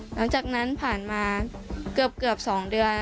หลังจากนั้นผ่านมาเกือบ๒เดือน